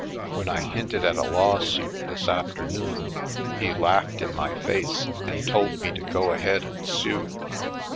When I hinted at a lawsuit this afternoon he laughed in my face and told m.e to go ahead and sue.